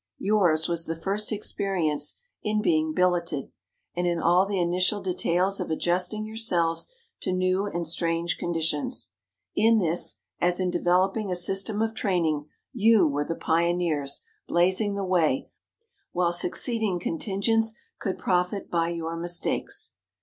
"Yours was the first experience in being billeted, and in all the initial details of adjusting yourselves to new and strange conditions. In this, as in developing a system of training, you were the pioneers, blazing the way, while succeeding contingents could profit by your mistakes.